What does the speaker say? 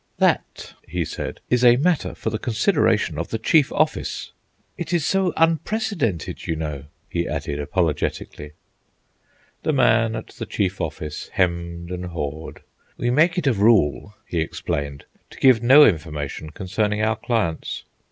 "That," he said, "is a matter for the consideration of the Chief Office." "It is so unprecedented, you know," he added apologetically. The man at the Chief Office hemmed and hawed. "We make it a rule," he explained, "to give no information concerning our clients."